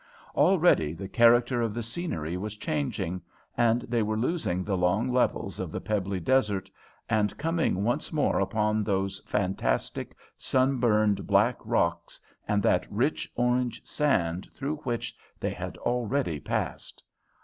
Already the character of the scenery was changing, and they were losing the long levels of the pebbly desert, and coming once more upon those fantastic, sunburned black rocks and that rich orange sand through which they had already passed.